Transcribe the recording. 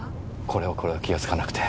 これはこれは気が付かなくて。